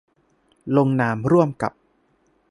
ลงนามร่วมกับ